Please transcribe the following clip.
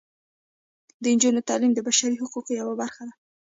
د نجونو تعلیم د بشري حقونو یوه برخه ده.